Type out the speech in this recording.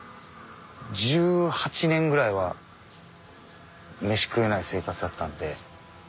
１８年ぐらいは飯食えない生活だったんで。